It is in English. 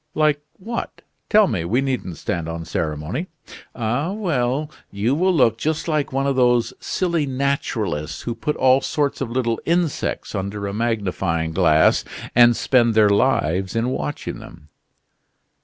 "Like what? Tell me, we needn't stand on ceremony." "Ah, well! You will look just like one of those silly naturalists who put all sorts of little insects under a magnifying glass, and spend their lives in watching them."